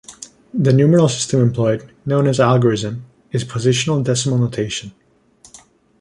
The numeral system employed, known as algorism, is positional decimal notation.